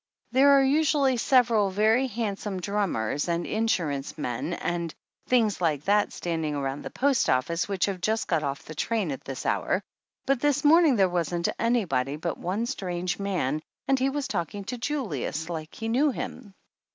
There are usually several very handsome drummers and insurance men and things like that standing around the post office which have just got off of the train at this hour, but this morning there wasn't anybody but one strange man and he was talking to Julius like he knew him.